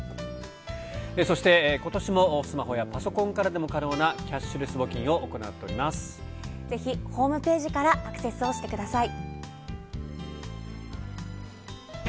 そしてことしもスマホやパソコンからでも可能なキャッシャレぜひホームページからアクセスをしてください。